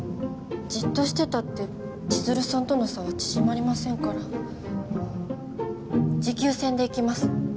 じっとしてたって千鶴さんとの差は縮まりませんから持久戦でいきます